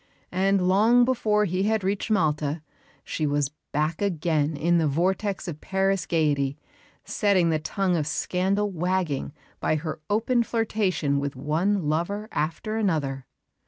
And long before he had reached Malta she was back again in the vortex of Paris gaiety, setting the tongue of scandal wagging by her open flirtation with one lover after another.